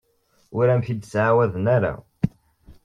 Ur am-t-id-ttɛawaden ara.